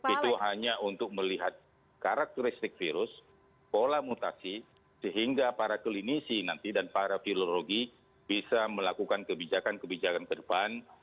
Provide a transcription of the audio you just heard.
itu hanya untuk melihat karakteristik virus pola mutasi sehingga para klinisi nanti dan para pilologi bisa melakukan kebijakan kebijakan ke depan